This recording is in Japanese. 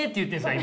今。